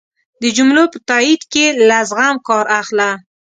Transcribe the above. د جملو په تایېد کی له زغم کار اخله